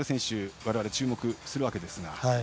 われわれ注目するわけですが。